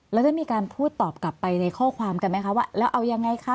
แล้วได้มีการพูดตอบกลับไปในข้อความกันไหมคะว่าแล้วเอายังไงคะ